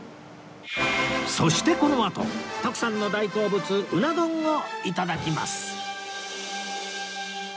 そしてこのあと徳さんの大好物うな丼を頂きます